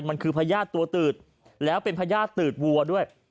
มันคือพญาติตัวตืดแล้วเป็นพญาติตืดวัวด้วย